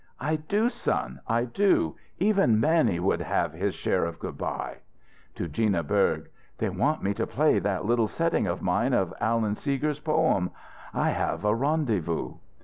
"I do, son; I do! Even Mannie should have his share of good bye." To Gina Berg: "They want me to play that little setting of mine of Allan Seeger's poem, 'I have a rendezvous.'"